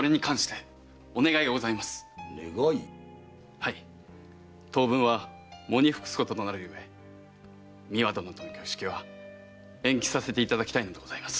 はい当分は喪に服すこととなるゆえ美和殿との挙式は延期させていただきたいのでございます。